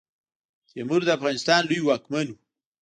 تیمور د افغانستان لوی واکمن وو.